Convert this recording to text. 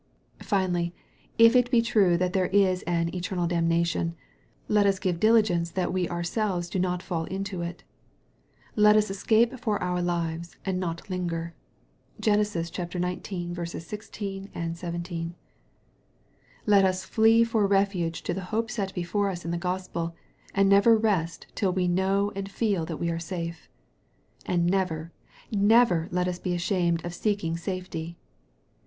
Finally, if it be true that there is an " eternal damna tion," let us give diligence that we ourselves do not fall into it. Let us escape for our lives, and not linger. (Gen. xix. 16, 17.) Let us flee for refuge to the hope set before us in the Gospel, and never rest till we know and feel that we are safe. And never, never let us be ashamed of seeking safety.